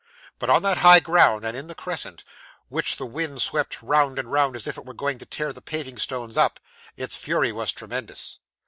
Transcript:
But on that high ground, and in the crescent, which the wind swept round and round as if it were going to tear the paving stones up, its fury was tremendous.